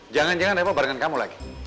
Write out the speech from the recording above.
jangan jangan repo barengan kamu lagi